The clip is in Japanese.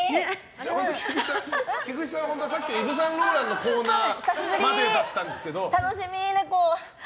菊地さんは本当はさっきのイヴ・サンローランのコーナーまでだったんですけど。